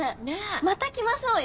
また来ましょうよ。